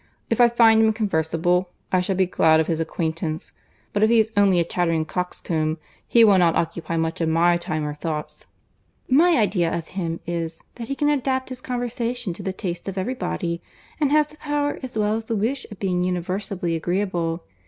If I find him conversable, I shall be glad of his acquaintance; but if he is only a chattering coxcomb, he will not occupy much of my time or thoughts." "My idea of him is, that he can adapt his conversation to the taste of every body, and has the power as well as the wish of being universally agreeable.